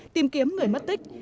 tìm kiếm người mất tích